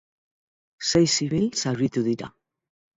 Sei zibil zauritu dira.